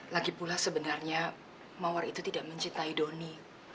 lagipula sebenarnya mawar itu tidak mencintai doni